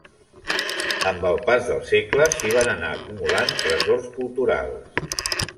Amb el pas dels segles s'hi van anar acumulant tresors culturals.